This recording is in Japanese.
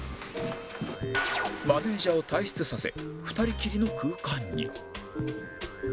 マネージャーを退出させ２人きりの空間に